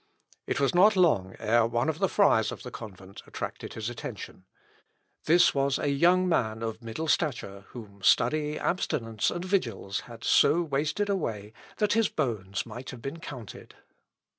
It was not long ere one of the friars of the convent attracted his attention. This was a young man of middle stature, whom study, abstinence, and vigils, had so wasted away, that his bones might have been counted.